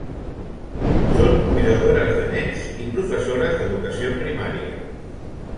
Són cuidadores de nens i professores d'educació primària.